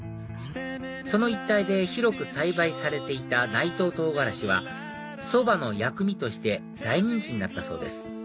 その一帯で広く栽培されていた内藤とうがらしはそばの薬味として大人気になったそうです